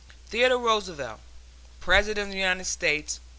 THEODORE ROOSEVELT, President of the United States.